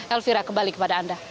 elvira kembali kepada anda